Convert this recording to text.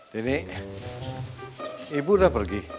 dini ibu udah pergi